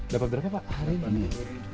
dapat berapa pak hari ini